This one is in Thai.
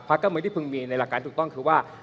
เก้ามือที่พึงมีในหลักการถูกต้องคือว่า